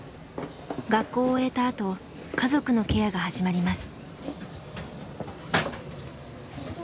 学校を終えたあと家族のケアが始まります。